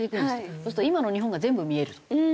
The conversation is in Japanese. そうすると今の日本が全部見えるって。